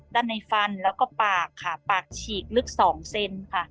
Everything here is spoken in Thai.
ด้านในฟันแล้วก็ปากค่ะปากฉีกลึก๒เซนค่ะ